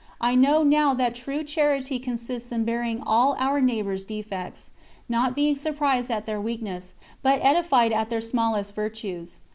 I know now that true charity consists in bearing all our neighbours' defects not being surprised at their weakness, but edified at their smallest virtues.